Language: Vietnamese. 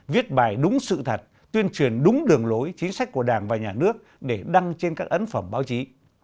viết bài đúng sự thật tuyên truyền đúng đường lối chính sách của đảng và nhà nước để đăng trên các ấn phẩm báo chí